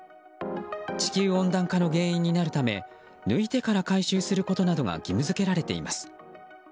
地球温暖化の原因になるため抜いてから回収することなどが義務付けられています。